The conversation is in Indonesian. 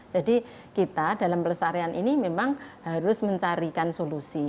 jadi kita dalam pelestarian ini memang harus mencarikan solusi